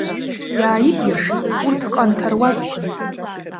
Иааикәиршеит урҭ ҟанҭаруазқәан.